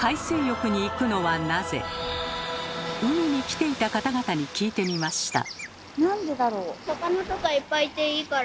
海に来ていた方々に聞いてみました。